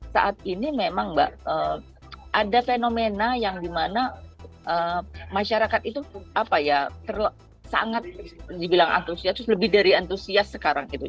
saat ini memang mbak ada fenomena yang dimana masyarakat itu apa ya sangat dibilang antusias lebih dari antusias sekarang itu